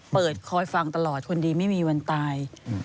คอยฟังตลอดคนดีไม่มีวันตาย